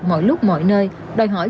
mọi lúc mọi nơi đòi hỏi